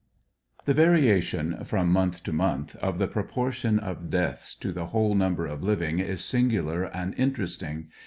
The variation— from month to month— of the proportion of deaths to the whole number of living is singular and interesting.